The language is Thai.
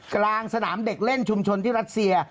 กลางสนามเด็กเล่นชุมชนที่รัสเซีย